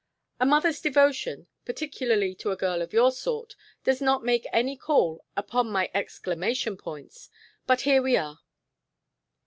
"A mother's devotion, particularly to a girl of your sort, does not make any call upon my exclamation points. But here we are."